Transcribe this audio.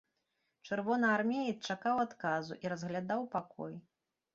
Чырвонаармеец чакаў адказу і разглядаў пакой.